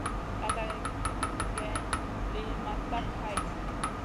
Laga geyn liyn ma tap hayna.